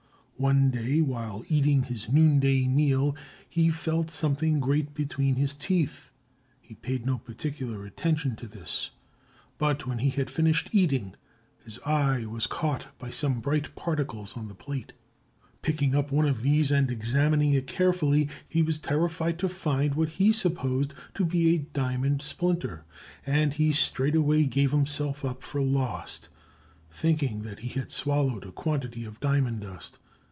One day, while eating his noonday meal, he felt something grate between his teeth. He paid no particular attention to this, but when he had finished eating his eye was caught by some bright particles on the plate. Picking up one of these and examining it carefully, he was terrified to find what he supposed to be a diamond splinter, and he straightway gave himself up for lost, thinking that he had swallowed a quantity of diamond dust.